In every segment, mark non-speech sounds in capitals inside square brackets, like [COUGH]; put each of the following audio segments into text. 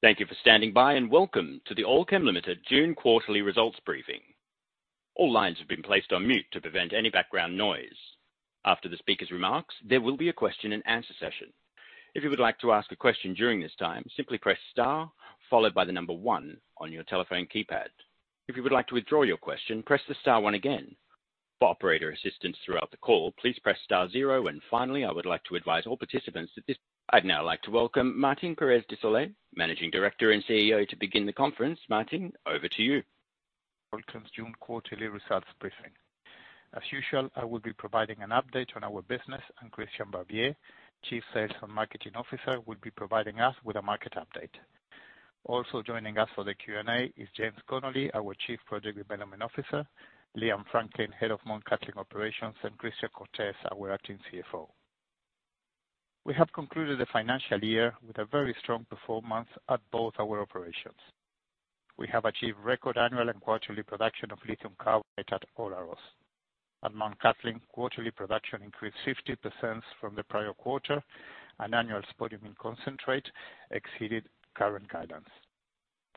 Thank you for standing by. Welcome to the Allkem Limited June quarterly results briefing. All lines have been placed on mute to prevent any background noise. After the speaker's remarks, there will be a question and answer session. If you would like to ask a question during this time, simply press star, followed by the number one on your telephone keypad. If you would like to withdraw your question, press the star one again. For operator assistance throughout the call, please press star zero. Finally, I would like to advise all participants that I'd now like to welcome Martín Pérez de Solay, Managing Director and CEO, to begin the conference. Martín, over to you. Welcome to June quarterly results briefing. As usual, I will be providing an update on our business, and Christian Barbier, Chief Sales and Marketing Officer, will be providing us with a market update. Also joining us for the Q&A is James Connolly, our Chief Project Development Officer, Liam Franklyn, Head of Mt Cattlin Operations, and Christian Cortes, our Acting CFO. We have concluded the financial year with a very strong performance at both our operations. We have achieved record annual and quarterly production of lithium carbonate at Olaroz. At Mt Cattlin, quarterly production increased 50% from the prior quarter, and annual spodumene concentrate exceeded current guidance.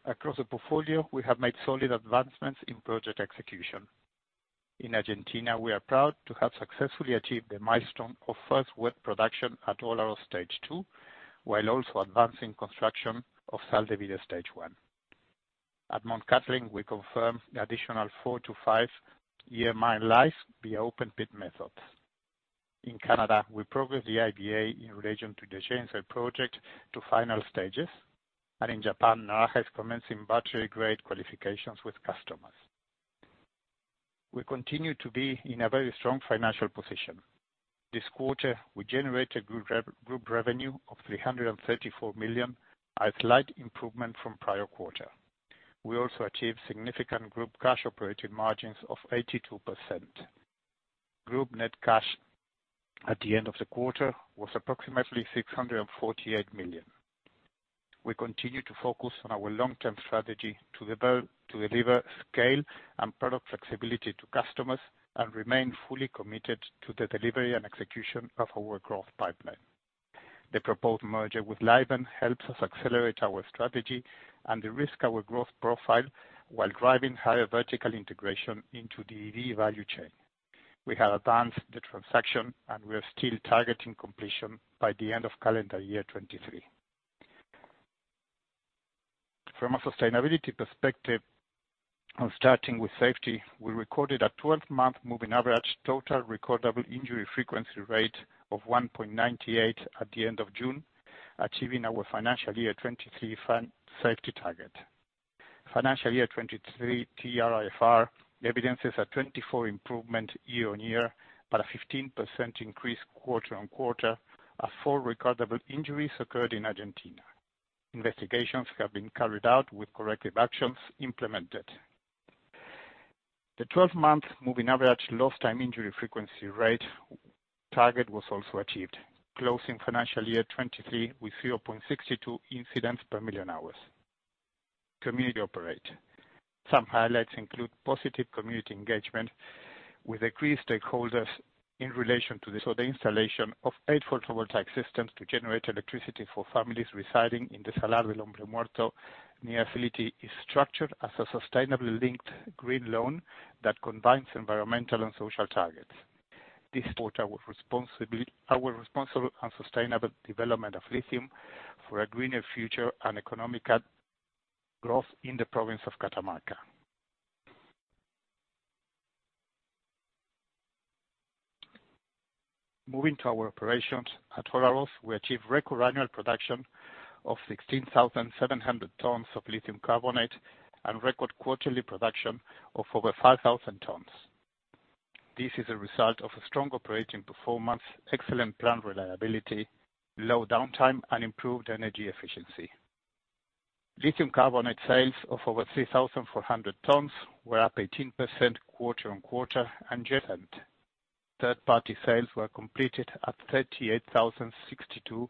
Across the portfolio, we have made solid advancements in project execution. In Argentina, we are proud to have successfully achieved the milestone of first wet production at Olaroz Stage 2, while also advancing construction of Sal de Vida Stage 1. At Mt Cattlin, we confirmed the additional four to five-year mine life via open pit methods. In Canada, we progressed the IBA in relation to the James Bay Project to final stages. In Japan, Naraha has commenced in battery grade qualifications with customers. We continue to be in a very strong financial position. This quarter, we generated group revenue of $334 million, a slight improvement from prior quarter. We also achieved significant group cash operating margins of 82%. Group net cash at the end of the quarter was approximately $648 million. We continue to focus on our long-term strategy to develop, to deliver scale and product flexibility to customers and remain fully committed to the delivery and execution of our growth pipeline. The proposed merger with Livent helps us accelerate our strategy and derisk our growth profile while driving higher vertical integration into the EV value chain. We have advanced the transaction, and we are still targeting completion by the end of calendar year 2023. From a sustainability perspective, on starting with safety, we recorded a 12-month moving average total recordable injury frequency rate of 1.98 at the end of June, achieving our financial year 2023 fund safety target. Financial year 2023 TRIFR evidences a 24 improvement year-on-year, but a 15% increase quarter-on-quarter, as four recordable injuries occurred in Argentina. Investigations have been carried out with corrective actions implemented. The 12-month moving average lost time injury frequency rate target was also achieved, closing financial year 2023 with 0.62 incidents per million hours. Community [AUDIO DISTORTION] operate. Some highlights include positive community engagement with increased stakeholders in relation to the installation of eight photovoltaic systems to generate electricity for families residing in the Salar del Hombre Muerto. The facility is structured as a sustainably linked green loan that combines environmental and social targets. This quarter, our responsibility, our responsible and sustainable development of lithium for a greener future and economical growth in the province of Catamarca. Moving to our operations, at Olaroz, we achieved record annual production of 16,700 tons of lithium carbonate and record quarterly production of over 5,000 tons. This is a result of a strong operating performance, excellent plant reliability, low downtime, and improved energy efficiency. Lithium carbonate sales of over 3,400 tons were up 18% quarter-on-quarter and just end. Third-party sales were completed at $38,062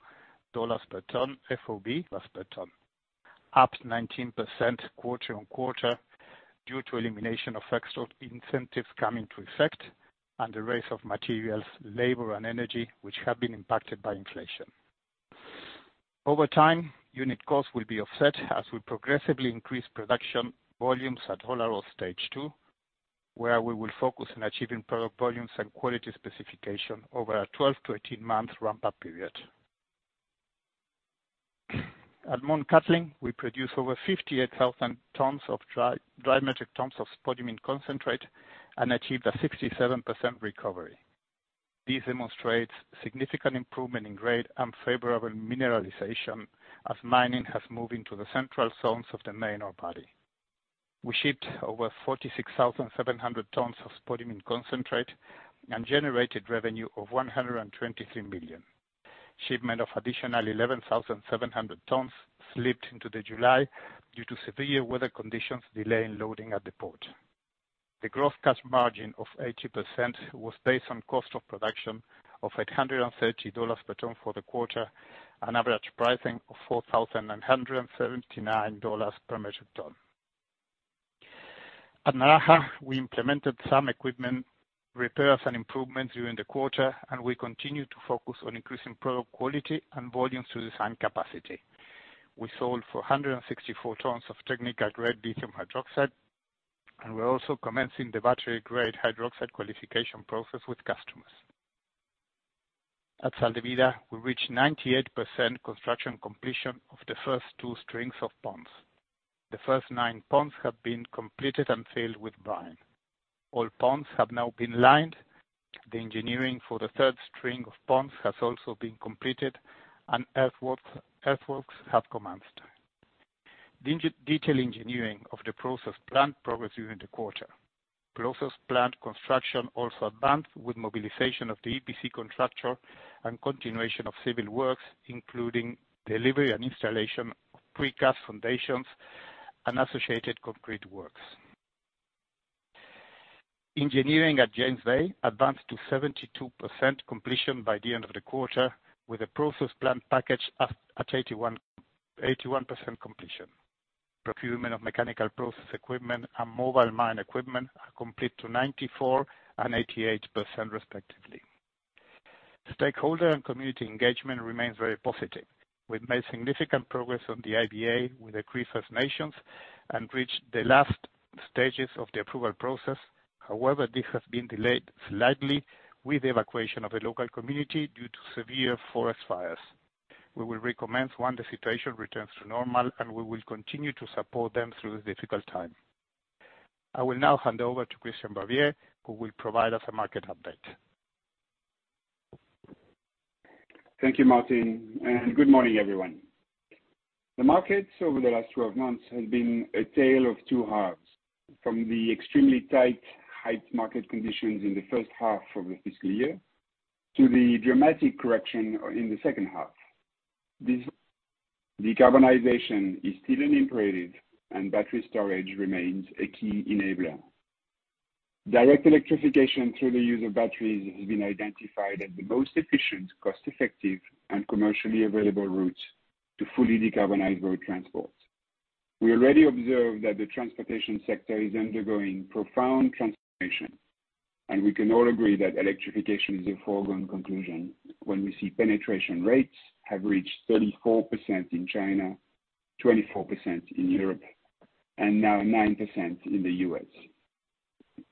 per ton FOB, as per ton. Up 19% quarter-on-quarter, due to elimination of extra incentives coming to effect and the rise of materials, labor, and energy, which have been impacted by inflation. Over time, unit costs will be offset as we progressively increase production volumes at Olaroz Stage 2, where we will focus on achieving product volumes and quality specification over a 12 to 18-month ramp-up period. At Mt Cattlin, we produced over 58,000 tons of dry metric tons of spodumene concentrate and achieved a 67% recovery. This demonstrates significant improvement in grade and favorable mineralization as mining has moved into the central zones of the main ore body. We shipped over 46,700 tons of spodumene concentrate and generated revenue of $123 million. Shipment of additional 11,700 tons slipped into July due to severe weather conditions, delaying loading at the port. The gross cash margin of 80% was based on cost of production of $830 per ton for the quarter, an average pricing of $4,179 per metric ton. At Naraha, we implemented some equipment, repairs, and improvements during the quarter. We continue to focus on increasing product quality and volumes through design capacity. We sold 464 tons of technical grade lithium hydroxide, and we're also commencing the battery grade hydroxide qualification process with customers. At Sal de Vida, we reached 98% construction completion of the first two strings of ponds. The first nine ponds have been completed and filled with brine. All ponds have now been lined. The engineering for the third string of ponds has also been completed. Earthworks have commenced. Detail engineering of the process plant progressed during the quarter. Process plant construction also advanced with mobilization of the EPC contractor and continuation of civil works, including delivery and installation of precast foundations and associated concrete works. Engineering at James Bay advanced to 72% completion by the end of the quarter, with a process plant package at 81% completion. Procurement of mechanical process equipment and mobile mine equipment are complete to 94% and 88%, respectively. Stakeholder and community engagement remains very positive. We've made significant progress on the IBA with the Cree First Nations and reached the last stages of the approval process. This has been delayed slightly with the evacuation of the local community due to severe forest fires. We will recommence once the situation returns to normal, and we will continue to support them through this difficult time. I will now hand over to Christian Barbier, who will provide us a market update. Thank you, Martín, and good morning, everyone. The markets over the last 12 months have been a tale of two halves, from the extremely tight, hyped market conditions in the first half of the fiscal year to the dramatic correction in the second half. This decarbonization is still an imperative, and battery storage remains a key enabler. Direct electrification through the use of batteries has been identified as the most efficient, cost-effective, and commercially available route to fully decarbonize road transport. We already observed that the transportation sector is undergoing profound transformation, and we can all agree that electrification is a foregone conclusion when we see penetration rates have reached 34% in China, 24% in Europe, and now 9% in the U.S.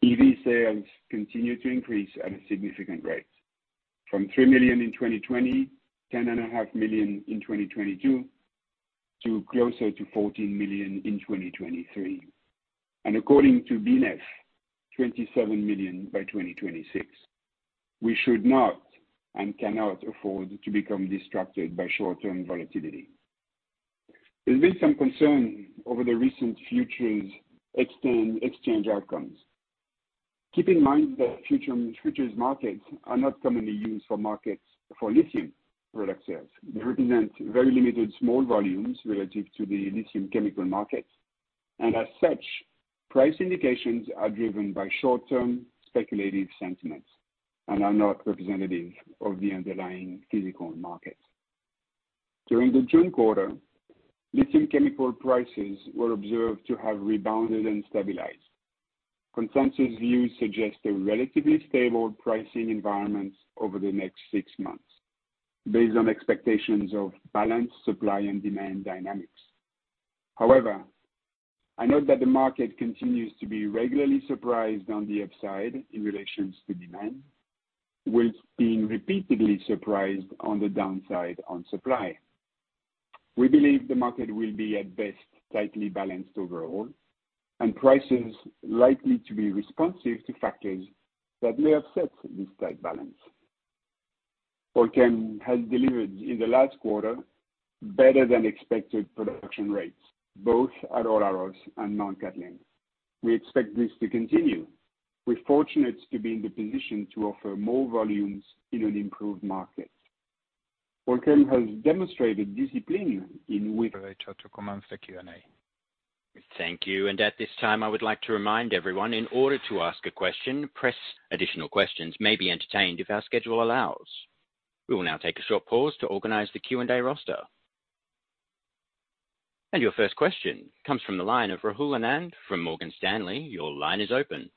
EV sales continue to increase at a significant rate, from $3 million in 2020, $10.5 million in 2022, to closer to $14 million in 2023. According to BloombergNEF, $27 million by 2026. We should not and cannot afford to become distracted by short-term volatility. There's been some concern over the recent futures exchange outcomes. Keep in mind that futures markets are not commonly used for markets for lithium product sales. They represent very limited small volumes relative to the lithium chemical markets, and as such, price indications are driven by short-term speculative sentiments and are not representative of the underlying physical market. During the June quarter, lithium chemical prices were observed to have rebounded and stabilized. Consensus views suggest a relatively stable pricing environment over the next six months, based on expectations of balanced supply and demand dynamics. I note that the market continues to be regularly surprised on the upside in relations to demand, with being repeatedly surprised on the downside on supply. We believe the market will be, at best, tightly balanced overall, and prices likely to be responsive to factors that may upset this tight balance. Olaroz has delivered in the last quarter better than expected production rates, both at Olaroz and Mt Cattlin. We expect this to continue. We're fortunate to be in the position to offer more volumes in an improved market. Olaroz has demonstrated discipline in which- Try to commence the Q&A. Thank you. At this time, I would like to remind everyone, in order to ask a question, press... Additional questions may be entertained if our schedule allows. We will now take a short pause to organize the Q&A roster. Your first question comes from the line of Rahul Anand from Morgan Stanley. Your line is open.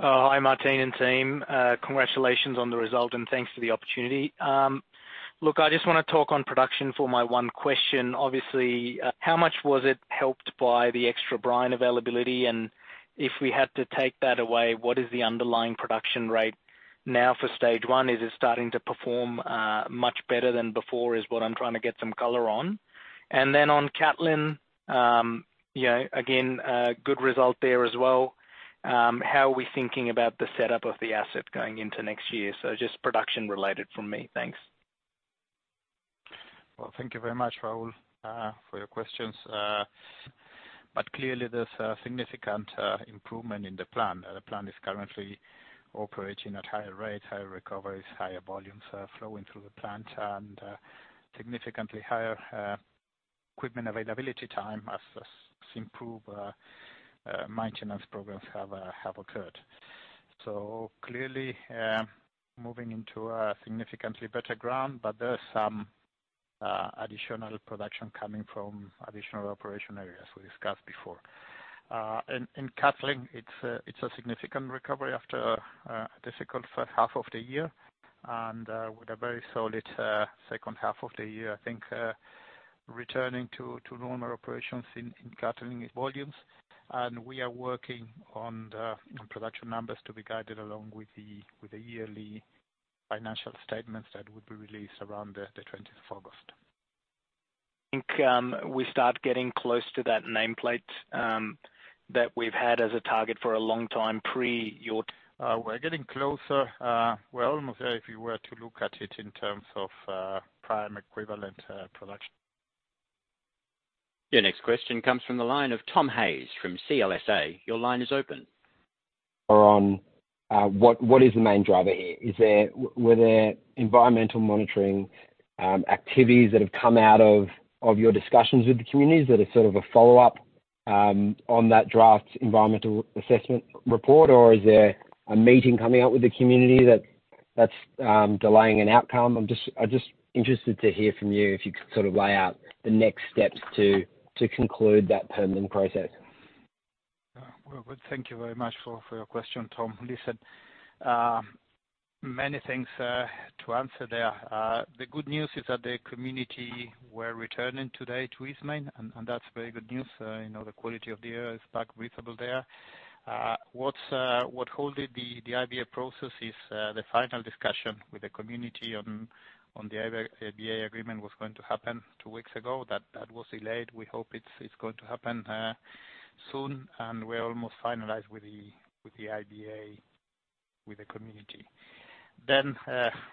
Hi, Martín and team. Congratulations on the result, thanks for the opportunity. Look, I just wanna talk on production for my one question. Obviously, how much was it helped by the extra brine availability? If we had to take that away, what is the underlying production rate now for Stage 1? Is it starting to perform much better than before, is what I'm trying to get some color on. On Mt Cattlin, you know, again, a good result there as well. How are we thinking about the setup of the asset going into next year? Just production related from me. Thanks. Well, thank you very much, Rahul, for your questions. Clearly, there's a significant improvement in the plan. The plan is currently operating at higher rates, higher recoveries, higher volumes, flowing through the plant, and significantly higher equipment availability time as improved maintenance programs have occurred. Clearly, moving into a significantly better ground, but there are some additional production coming from additional operation areas we discussed before. In Mt Cattlin, it's a significant recovery after a difficult first half of the year, and with a very solid second half of the year, I think, returning to normal operations in Mt Cattlin volumes. We are working on production numbers to be guided along with the yearly financial statements that will be released around the 20th of August. I think, we start getting close to that nameplate, that we've had as a target for a long time, pre your... We're getting closer, we're almost there, if you were to look at it in terms of, prime equivalent, production. Your next question comes from the line of Tom Hayes from CLSA. Your line is open. On, what is the main driver here? Were there environmental monitoring activities that have come out of your discussions with the communities that are sort of a follow-up on that draft environmental assessment report? Is there a meeting coming up with the community that's delaying an outcome? I'm just interested to hear from you, if you could sort of lay out the next steps to conclude that permitting process. Well, thank you very much for your question, Tom. Listen, many things to answer there. The good news is that the community were returning today to Eastmain, and that's very good news, you know, the quality of the air is back breathable there. What held the IBA process is the final discussion with the community on the IBA agreement was going to happen two weeks ago, that was delayed. We hope it's going to happen soon, and we're almost finalized with the IBA with the community.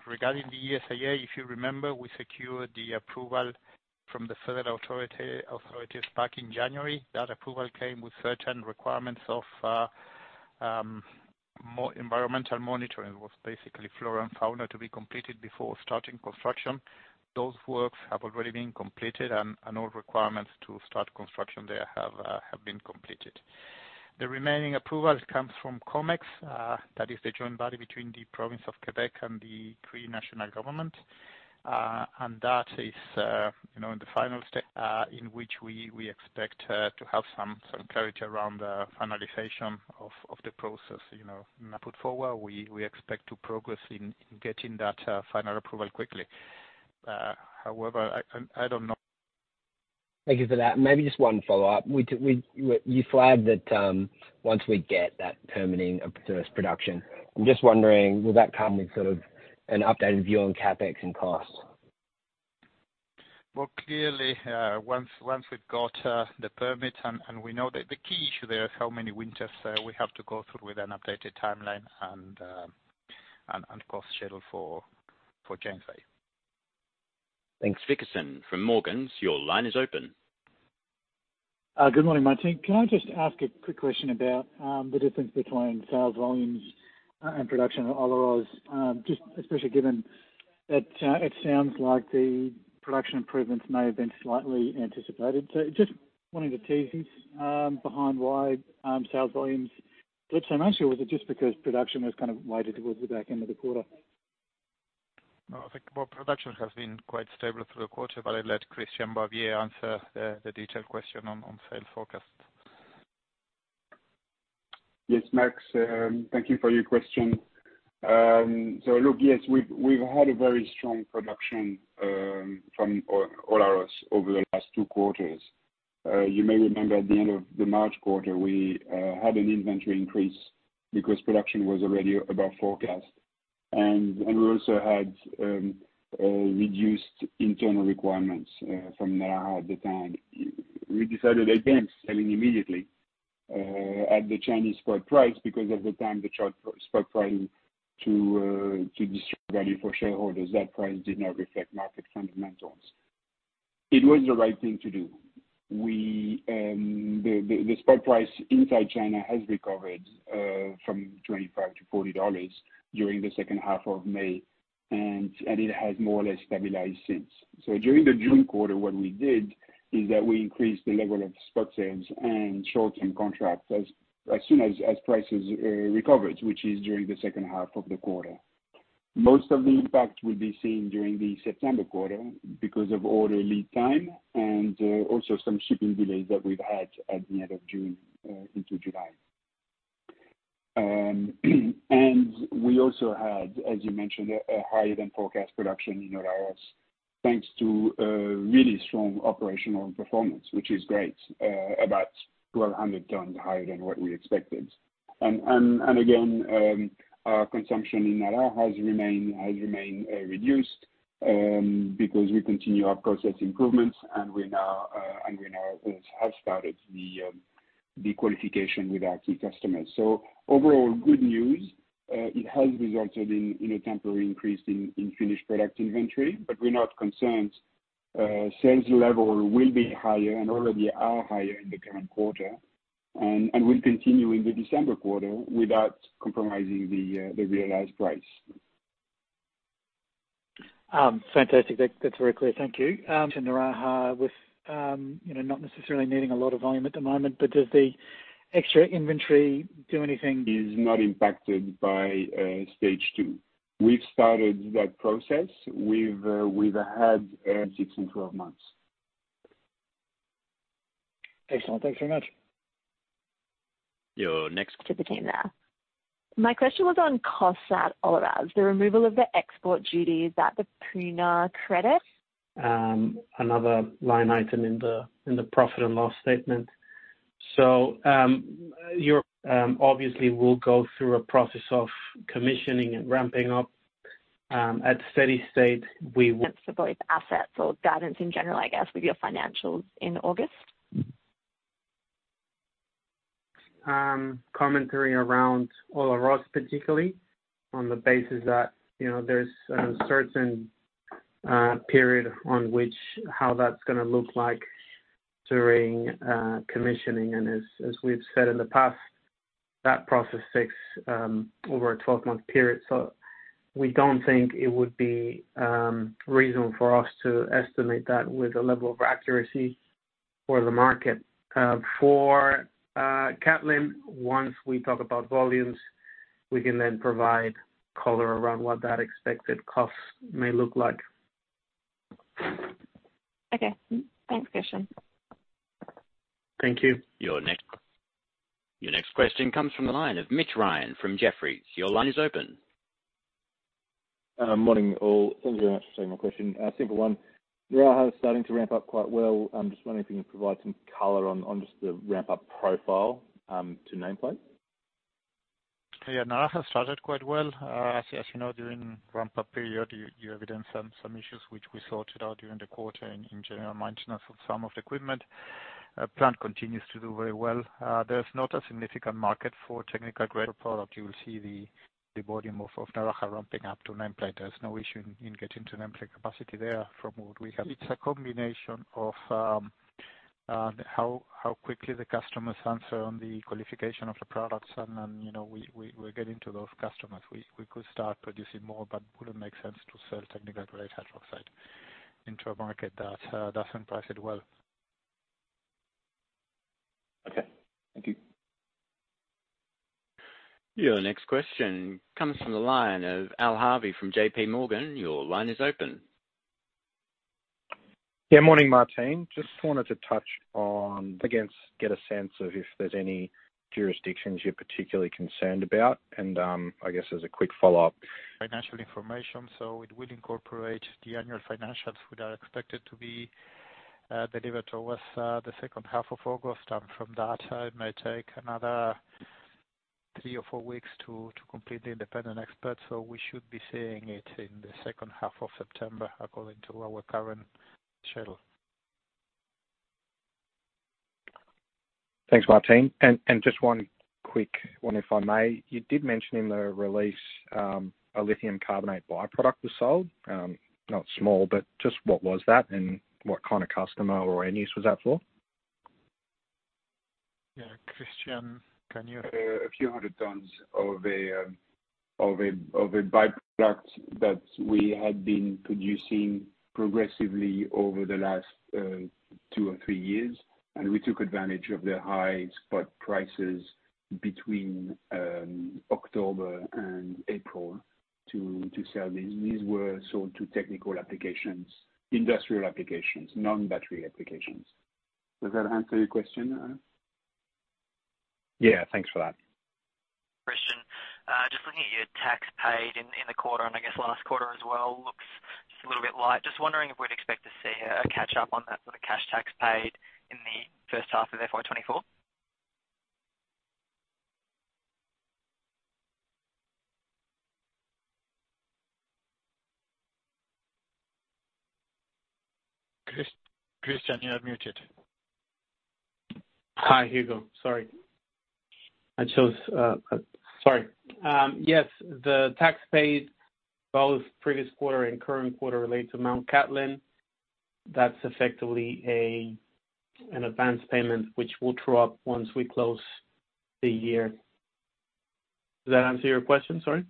Regarding the ESIA, if you remember, we secured the approval from the federal authorities back in January. That approval came with certain requirements of environmental monitoring, was basically flora and fauna to be completed before starting construction. Those works have already been completed, and all requirements to start construction there have been completed. The remaining approval comes from COMEX, that is the joint body between the province of Québec and the Cree Nation Government. That is, you know, in which we expect to have clarity around the finalization of the process, you know, put forward. We expect to progress in getting that final approval quickly. However, I don't know- Thank you for that. Maybe just one follow-up. You flagged that, once we get that permitting of first production, I'm just wondering, will that come with sort of an updated view on CapEx and costs? Well, clearly, once we've got the permit, and we know the key issue there is how many winters, we have to go through with an updated timeline and cost schedule for James Bay. Thanks. Vickerson from Morgans, your line is open. Good morning, Martín. Can I just ask a quick question about the difference between sales volumes and production of Olaroz? Just especially given that it sounds like the production improvements may have been slightly anticipated. Just wanting to tease behind why sales volumes dropped so much, or was it just because production was kind of weighted towards the back end of the quarter? No, I think, well, production has been quite stable through the quarter, but I'll let Christian Barbier answer the detailed question on sales forecast. Yes, Max, thank you for your question. Look, yes, we've had a very strong production from Olaroz over the last two quarters. You may remember at the end of the March quarter, we had an inventory increase because production was already above forecast. We also had reduced internal requirements from Naraha at the time. We decided against selling immediately at the Chinese spot price, because at the time, the chart spot price to destroy value for shareholders, that price did not reflect market fundamentals. It was the right thing to do. We, the spot price inside China has recovered from $25-$40 during the second half of May, it has more or less stabilized since. During the June quarter, what we did is that we increased the level of spot sales and short-term contracts as soon as prices recovered, which is during the second half of the quarter. Most of the impact will be seen during the September quarter, because of order lead time, and also some shipping delays that we've had at the end of June into July. We also had, as you mentioned, a higher-than-forecast production in Olaroz, thanks to a really strong operational performance, which is great, about 1,200 tons higher than what we expected. Again, our consumption in Naraha has remained reduced, because we continue our process improvements, and we now have started the qualification with our key customers. Overall, good news, it has resulted in a temporary increase in finished product inventory. We're not concerned. Sales level will be higher and already are higher in the current quarter, and will continue in the December quarter without compromising the realized price. fantastic. That's very clear. Thank you. To Naraha with, you know, not necessarily needing a lot of volume at the moment.... extra inventory do anything? Is not impacted by Stage 2. We've started that process. We've had, six and 12 months. Excellent. Thanks very much. Your next- To the team there. My question was on cost at Olaroz. The removal of the export duty, is that the pre-now credit? another line item in the, in the profit and loss statement. Obviously will go through a process of commissioning and ramping up. At steady state. For both assets or guidance in general, I guess, with your financials in August? Commentary around Olaroz, particularly, on the basis that, you know, there's a certain period on which how that's gonna look like during commissioning. As we've said in the past, that process takes over a 12-month period, so we don't think it would be reasonable for us to estimate that with a level of accuracy for the market. For Mt Cattlin, once we talk about volumes, we can then provide color around what that expected cost may look like. Okay. Thanks, Christian. Thank you. Your next question comes from the line of Mitch Ryan from Jefferies. Your line is open. Morning, all. Thank you very much for taking my question. Simple one. Naraha is starting to ramp up quite well. I'm just wondering if you can provide some color on just the ramp-up profile, to name plate? Naraha started quite well. As you know, during ramp-up period, you evidenced some issues which we sorted out during the quarter and in general, maintenance of some of the equipment. Plant continues to do very well. There's not a significant market for technical grade product. You will see the volume of Naraha ramping up to nameplate. There's no issue in getting to nameplate capacity there from what we have. It's a combination of how quickly the customers answer on the qualification of the products. Then, you know, we're getting to those customers. We could start producing more, wouldn't make sense to sell technical grade hydroxide into a market that doesn't price it well. Okay. Thank you. Your next question comes from the line of Al Harvey from JPMorgan. Your line is open. Yeah, morning, Martín. Just wanted to touch on, again, get a sense of if there's any jurisdictions you're particularly concerned about. I guess as a quick follow-up. Financial information, it will incorporate the annual financials, which are expected to be delivered to us the second half of August. From that, it may take another three or four weeks to complete the independent expert. We should be seeing it in the second half of September, according to our current schedule. Thanks, Martín. Just one quick one, if I may. You did mention in the release, a lithium carbonate by-product was sold. Not small, but just what was that and what kind of customer or end use was that for? Yeah. Christian, can you? A few 100 tons of a by-product that we had been producing progressively over the last, two or three years, and we took advantage of the high spot prices between October and April to sell these. These were sold to technical applications, industrial applications, non-battery applications. Does that answer your question, Al? Yeah, thanks for that. Christian, just looking at your tax paid in the quarter and I guess last quarter as well, looks just a little bit light. Just wondering if we'd expect to see a catch up on that, sort of, cash tax paid in the first half of FY 2024? Christian, you are muted. Hi, Hugo. Sorry. Yes, the tax paid, both previous quarter and current quarter, relate to Mt Cattlin. That's effectively an advanced payment, which will true up once we close the year. Does that answer your question, sorry?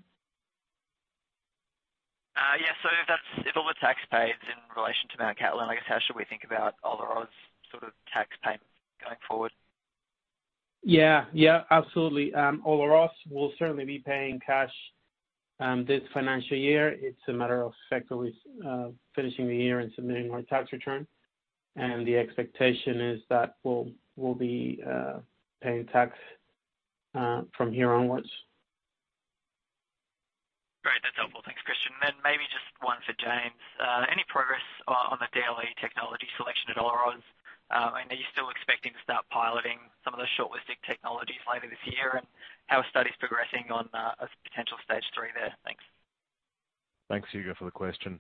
Yes, if that's, if all the tax paid is in relation to Mt Cattlin, I guess, how should we think about Olaroz, sort of, tax payment going forward? Yeah. Yeah, absolutely. Olaroz will certainly be paying cash this financial year. It's a matter of effectively finishing the year and submitting our tax return. The expectation is that we'll be paying tax from here onwards. Great! That's helpful. Thanks, Christian. Maybe just one for James. Any progress on the DLE technology selection at Olaroz? Are you still expecting to start piloting some of the shortlisting technologies later this year, and how are studies progressing on a potential Stage 3 there? Thanks. Thanks, Hugo, for the question.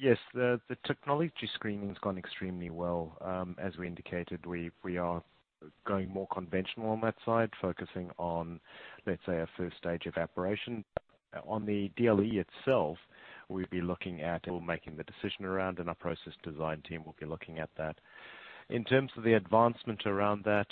The technology screening has gone extremely well. As we indicated, we are going more conventional on that side, focusing on, let's say, a first stage evaporation. On the DLE itself, we'll be looking at or making the decision around, and our process design team will be looking at that. In terms of the advancement around that,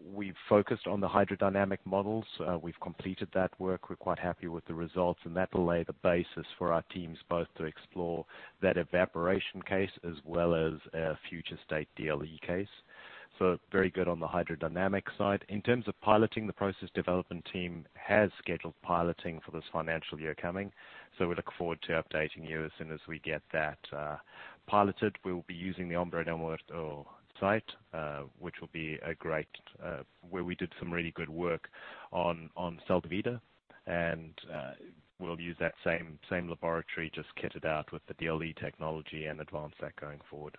we've focused on the hydrodynamic models. We've completed that work. We're quite happy with the results, and that will lay the basis for our teams both to explore that evaporation case as well as a future state DLE case. Very good on the hydrodynamic side. In terms of piloting, the process development team has scheduled piloting for this financial year coming, so we look forward to updating you as soon as we get that piloted. We will be using the Salar del Hombre Muerto site, which will be a great, where we did some really good work on Sal de Vida. We'll use that same laboratory, just kitted out with the DLE technology and advance that going forward.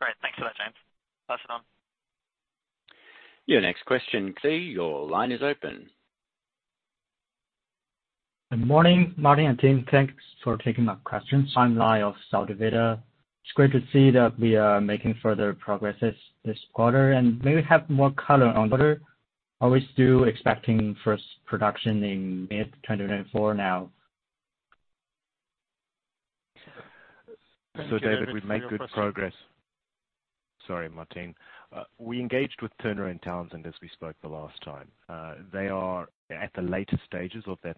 Great. Thanks for that, James. Pass it on. Your next question, David, your line is open. Good morning, Martín and team. Thanks for taking my questions. Timeline of Sal de Vida. It's great to see that we are making further progresses this quarter, and maybe have more color on quarter. Are we still expecting first production in mid-2024 now? David, we've made good progress. Sorry, Martín. We engaged with Turner & Townsend as we spoke the last time. They are at the later stages of that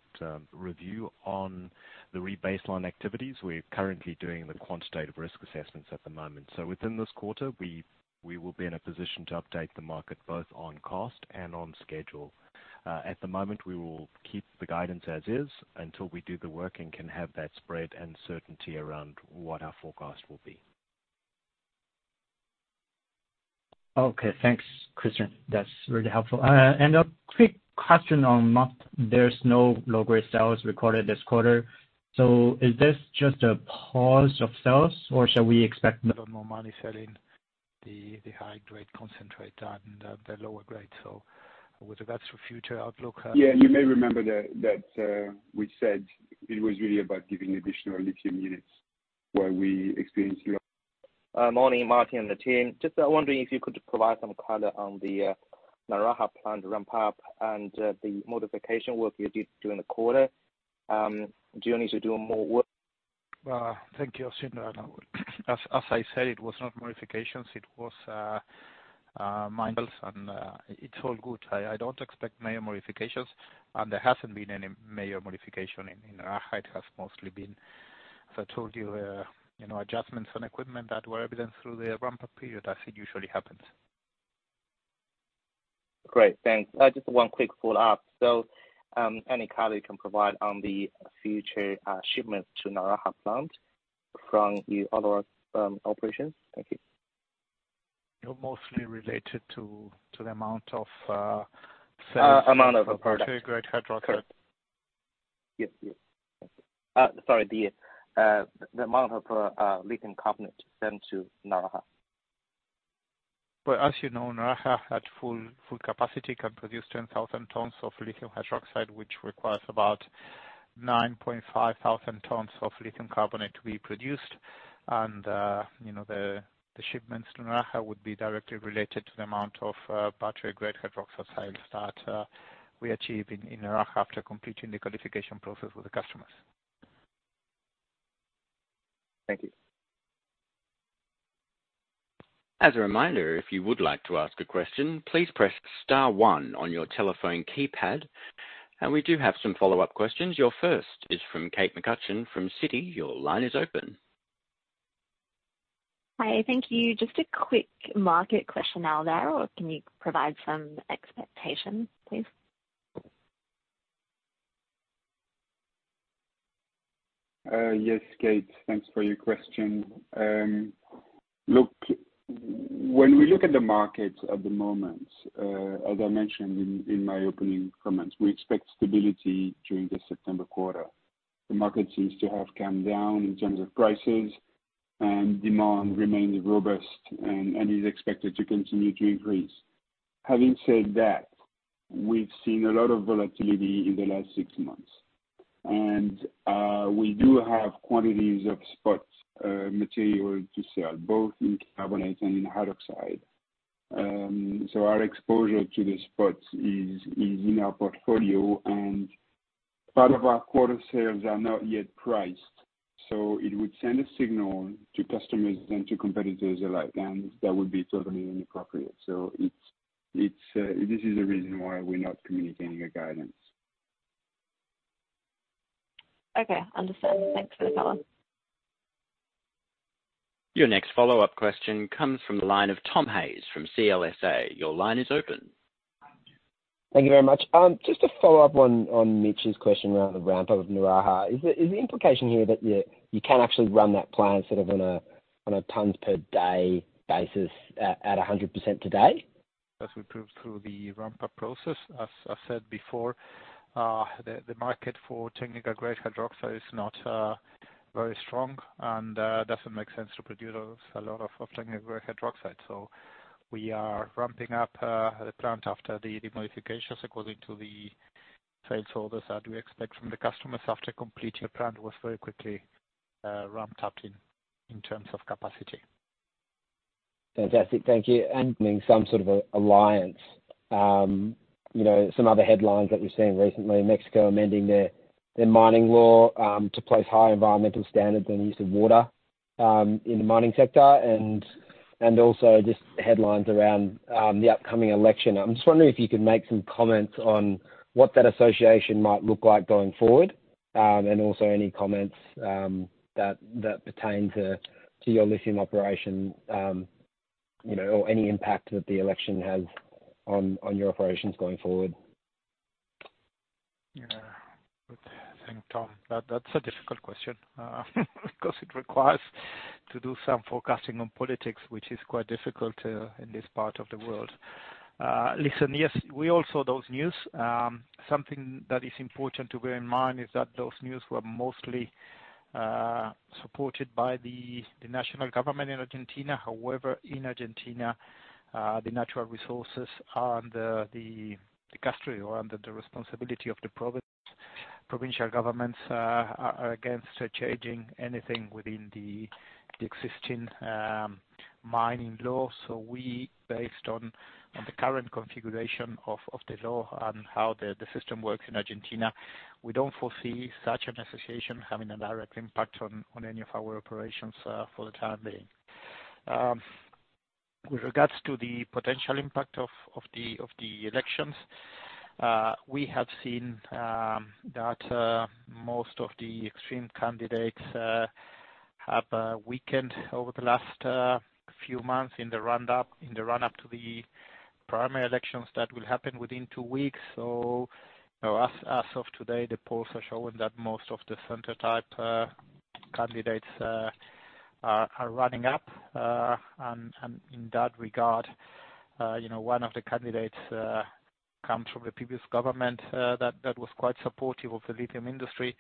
review on the rebaseline activities. We're currently doing the quantitative risk assessments at the moment. Within this quarter, we will be in a position to update the market both on cost and on schedule. At the moment, we will keep the guidance as is until we do the work and can have that spread and certainty around what our forecast will be. Okay. Thanks, Christian. That's really helpful. A quick question on there's no low-grade sales recorded this quarter. Is this just a pause of sales or shall we expect- More and more money selling the high-grade concentrate and the lower grade? Whether that's for future outlook, You may remember that we said it was really about giving additional lithium units where we experienced. Morning, Martín and the team. Just wondering if you could provide some color on the Naraha plant ramp up and the modification work you did during the quarter. Do you need to do more work? Thank you, Austin. As I said, it was not modifications, it was miners, and it's all good. I don't expect major modifications, and there hasn't been any major modification in Naraha. It has mostly been, as I told you know, adjustments on equipment that were evidenced through the ramp-up period, as it usually happens. Great, thanks. Just one quick follow-up. Any color you can provide on the future shipments to Naraha plant from the other operations? Thank you. They're mostly related to the amount of, sales- Amount of product. Great hydroxide. Yes. Sorry, the amount of lithium carbonate sent to Naraha. As you know, Naraha, at full capacity, can produce 10,000 tons of lithium hydroxide, which requires about 9,500 tons of lithium carbonate to be produced. You know, the shipments to Naraha would be directly related to the amount of battery-grade hydroxide sales that we achieve in Naraha after completing the qualification process with the customers. Thank you. As a reminder, if you would like to ask a question, please press star one on your telephone keypad. We do have some follow-up questions. Your first is from Kate McCutcheon from Citi. Your line is open. Hi, thank you. Just a quick market question now. [AUDIO DISTORTION] Can you provide some expectations, please? Yes, Kate, thanks for your question. Look, when we look at the market at the moment, as I mentioned in my opening comments, we expect stability during the September quarter. The market seems to have come down in terms of prices and demand remains robust and is expected to continue to increase. Having said that, we've seen a lot of volatility in the last six months, and we do have quantities of spot material to sell, both in carbonate and in hydroxide. Our exposure to the spots is in our portfolio, and part of our quarter sales are not yet priced, so it would send a signal to customers and to competitors alike, and that would be totally inappropriate. This is the reason why we're not communicating a guidance. Okay, understood. Thanks for the comment. Your next follow-up question comes from the line of Tom Hayes from CLSA. Your line is open. Thank you very much. Just to follow up on Mitch's question around the ramp of Naraha. Is the implication here that you can actually run that plant sort of on a tons per day basis at 100% today? As we proved through the ramp-up process, as I said before, the market for technical grade hydroxide is not very strong and doesn't make sense to produce a lot of technical grade hydroxide. We are ramping up the plant after the modifications according to the sales orders that we expect from the customers after completing the plant was very quickly ramped up in terms of capacity. Fantastic. Thank you. Some sort of a alliance, you know, some other headlines that we've seen recently, Mexico amending their mining law, to place higher environmental standards and use of water in the mining sector, and also just headlines around the upcoming election. I'm just wondering if you could make some comments on what that association might look like going forward, and also any comments that pertain to your lithium operation, you know, or any impact that the election has on your operations going forward? Yeah. Good. Thanks, Tom. That's a difficult question because it requires to do some forecasting on politics, which is quite difficult in this part of the world. Listen, yes, we also those news. Something that is important to bear in mind is that those news were mostly supported by the national government in Argentina. However, in Argentina, the natural resources are under the custody or under the responsibility of the province. Provincial governments are against changing anything within the existing mining law. We, based on the current configuration of the law and how the system works in Argentina, we don't foresee such an association having a direct impact on any of our operations for the time being. With regards to the potential impact of the elections, we have seen that most of the extreme candidates have weakened over the last few months in the run-up to the primary elections that will happen within two weeks. As of today, the polls are showing that most of the center-type candidates are running up. And in that regard, you know, one of the candidates comes from the previous government that was quite supportive of the lithium industry.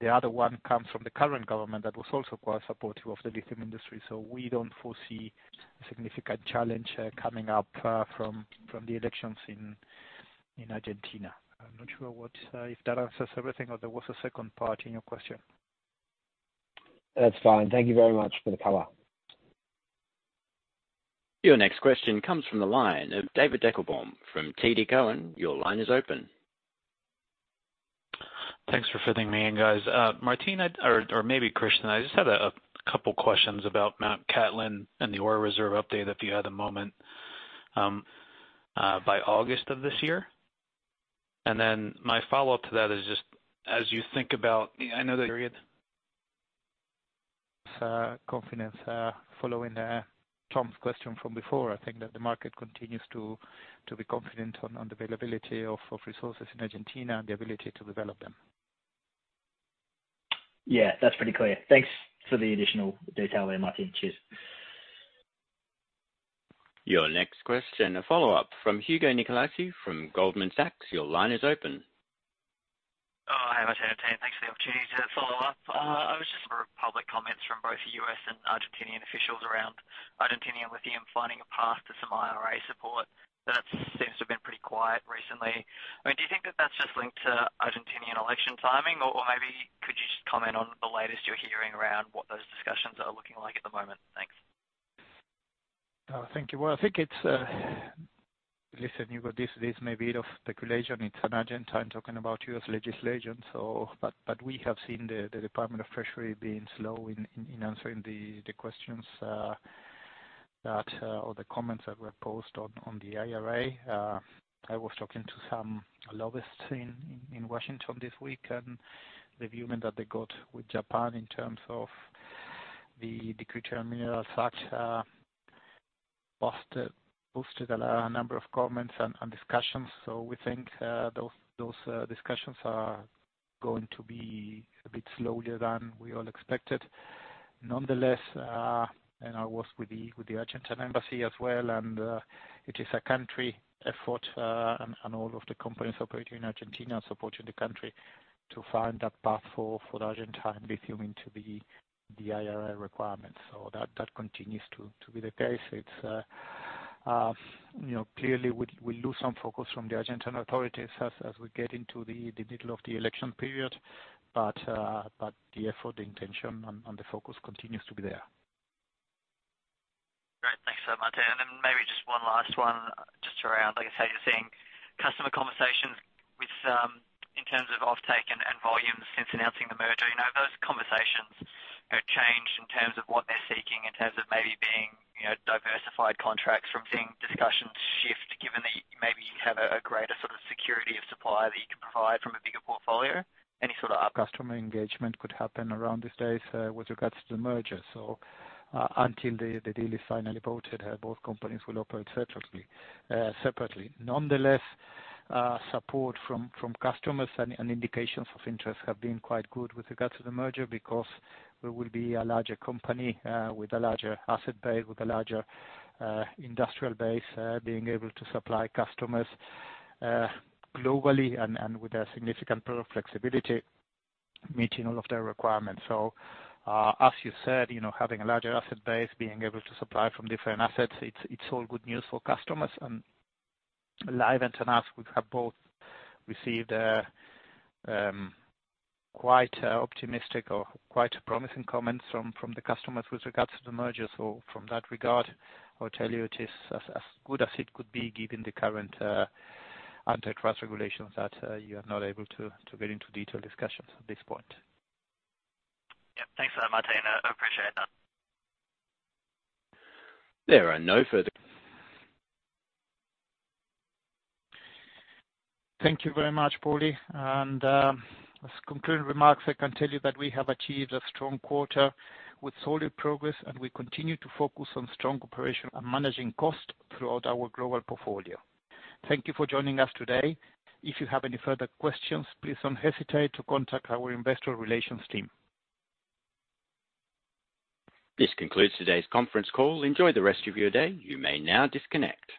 The other one comes from the current government, that was also quite supportive of the lithium industry. We don't foresee a significant challenge coming up from the elections in Argentina. I'm not sure what if that answers everything, or there was a second part in your question. That's fine. Thank you very much for the color. Your next question comes from the line of David Deckelbaum from TD Cowen. Your line is open. Thanks for fitting me in, guys. Martín, Or maybe Christian, I just had a couple questions about Mt Cattlin and the order reserve update, if you had a moment, by August of this year? My follow-up to that is just as you think about the end of the period... Confidence, following Tom's question from before, I think that the market continues to be confident on the availability of resources in Argentina and the ability to develop them. Yeah, that's pretty clear. Thanks for the additional detail there, Martín. Cheers. Your next question, a follow-up from Hugo Nicolaci from Goldman Sachs. Your line is open. Oh, hi, Martín and team. Thanks for the opportunity to follow up. Public comments from both the U.S. and Argentinian officials around Argentinian lithium finding a path to some IRA support, that seems to have been pretty quiet recently. I mean, do you think that that's just linked to Argentinian election timing, or maybe could you just comment on the latest you're hearing around what those discussions are looking like at the moment? Thanks. Thank you. Well, I think it's, listen, Hugo, this may be of speculation. It's an Argentine talking about U.S. legislation, so. We have seen the U.S. Department of the Treasury being slow in answering the questions that or the comments that were posted on the IRA. I was talking to some lobbyists in Washington this week. The view that they got with Japan in terms of the critical minerals such boosted a number of comments and discussions. We think those discussions are going to be a bit slower than we all expected. Nonetheless, and I was with the Argentinian embassy as well, it is a country effort, and all of the companies operating in Argentina are supporting the country to find that path for the Argentine lithium into the IRA requirements. That continues to be the case. It's, you know, clearly we lose some focus from the Argentine authorities as we get into the middle of the election period, but the effort, the intention, and the focus continues to be there. Great. Thanks so much, Martín. Maybe just one last one, just around, like I say, you're seeing customer conversations with in terms of offtake and volume since announcing the merger. You know, have those conversations, you know, changed in terms of what they're seeking, in terms of maybe being, you know, diversified contracts from seeing discussions shift, given that maybe you have a greater sort of security of supply that you can provide from a bigger portfolio? Customer engagement could happen around these days, with regards to the merger. Until the deal is finally voted, both companies will operate separately. Nonetheless, support from customers and indications of interest have been quite good with regards to the merger, because we will be a larger company, with a larger asset base, with a larger, industrial base, being able to supply customers, globally and with a significant pool of flexibility, meeting all of their requirements. As you said, you know, having a larger asset base, being able to supply from different assets, it's all good news for customers. Livent and Allkem, we have both received quite optimistic or quite promising comments from the customers with regards to the merger. From that regard, I'll tell you, it is as good as it could be, given the current antitrust regulations that you are not able to get into detailed discussions at this point. Yeah. Thanks for that, Martín. I appreciate that. There are no. Thank you very much, Polly. As concluding remarks, I can tell you that we have achieved a strong quarter with solid progress, and we continue to focus on strong operation and managing costs throughout our global portfolio. Thank you for joining us today. If you have any further questions, please don't hesitate to contact our investor relations team. This concludes today's conference call. Enjoy the rest of your day. You may now disconnect.